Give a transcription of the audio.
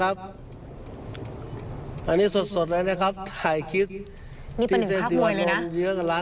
อันนี้สดเลยนะครับนี่เป็นหนึ่งภาคมวยเลยนะ